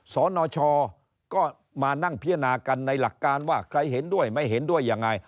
สนชก็มานั่งพิจารณากันในหลักการว่าใครเห็นด้วยไม่เห็นด้วยยังไง